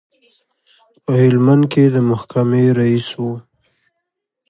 په هلمند کې د محکمې رئیس و.